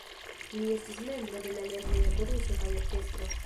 Li estis membro de la lerneja koruso kaj orkestro.